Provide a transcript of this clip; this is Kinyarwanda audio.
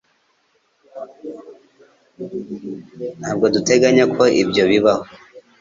Ntabwo duteganya ko ibyo bibaho